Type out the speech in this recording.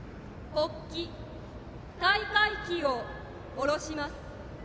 国旗、大会旗を降ろします。